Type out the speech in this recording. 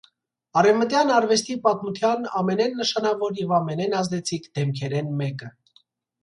Արեւմտեան արուեստի պատմութեան ամէնէն նշանաւոր եւ ամէնէն ազդեցիկ դէմքերէն մէկը։